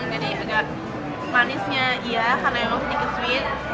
jadi agak manisnya iya karena emang sedikit sweet